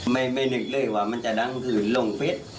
ไม่นึกเลยว่ามันจะด้านคือลงฟิศ